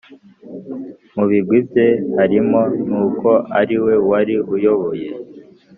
Mu bigwi bye harimo n'uko ariwe wari uyoboye